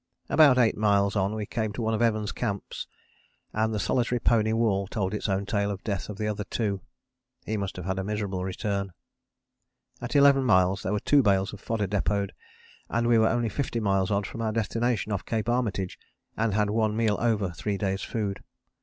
About eight miles on we came to one of Evans' camps and the solitary pony wall told its own tale of the death of the other two. He must have had a miserable return. At eleven miles there were two bales of fodder depôted, we were only 50 miles odd from our destination off Cape Armitage, and had one meal over three days' food.